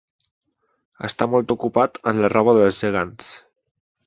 Estar molt ocupat en la roba dels gegants.